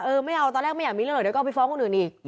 ไม่เอาตอนแรกไม่อยากมีเรื่องหรอกเดี๋ยวก็เอาไปฟ้องคนอื่นอีก